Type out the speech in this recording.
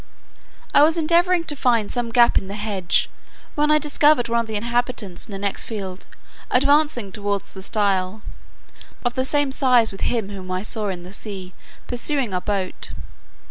I was endeavouring to find some gap in the hedge, when I discovered one of the inhabitants in the next field, advancing towards the stile, of the same size with him whom I saw in the sea pursuing our boat.